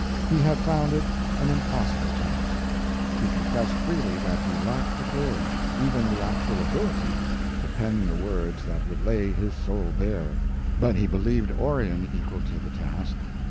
He had found it an impossible task. He confessed freely that he lacked the courage, even the actual ability, to pen the words that would lay his soul bare, but he believed Orion equal to the task.